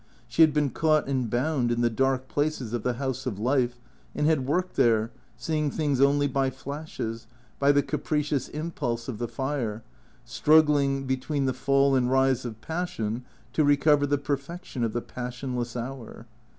She had been caught and bound in the dark places of the house of life, and had worked there, seeing things only by flashes, by the capricious impulse of the fire, struggling, between the fall and rise of passion, to recover the perfection of the passionless hour.